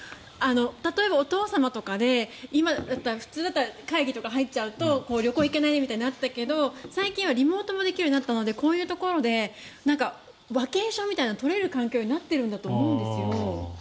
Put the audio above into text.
例えば、お父様とかで普通だったら会議とか入っちゃうと旅行に行けないみたいになったけど最近はリモートできるようになったのでこういうところでワーケーションみたいなのが取れる環境になっていると思うんですよ。